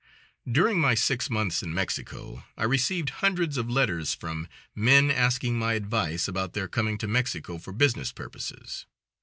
During my six months in Mexico I received hundreds of letters from men asking my advice about their coming to Mexico for business purposes.